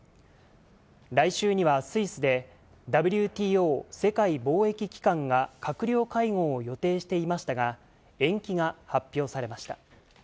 来週にはスイスでＷＴＯ・世界貿易機関が閣僚会合を予定していましたが、延期が発表されました。